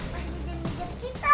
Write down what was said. pas di denger kita